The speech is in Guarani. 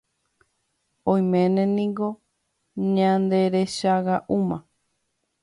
Oiméne niko ñanderechaga'úma